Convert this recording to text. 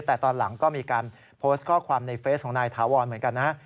แต่ตอนหลังก็มีการโพสต์ข้อความในเฟสของนายถาวรเหมือนกันนะฮะ